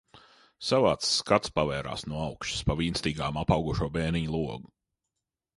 Savāds skats pavērās no augšas pa vīnstīgām apaugušo bēniņu logu.